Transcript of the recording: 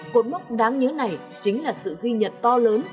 cột mốc đáng nhớ này chính là sự ghi nhận to lớn